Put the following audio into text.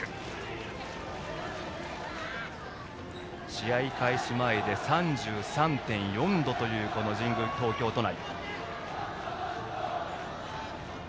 試合開始前、３３．４度という神宮、東京都内。